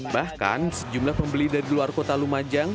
bahkan sejumlah pembeli dari luar kota lumajang